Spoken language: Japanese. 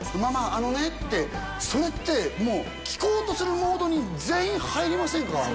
それってもう聞こうとするモードに全員入りませんか？